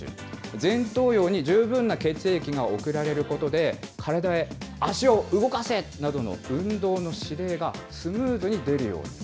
前頭葉に十分な血液が送られることで体へ、足を動かせ！などの運動の指令がスムーズに出るように。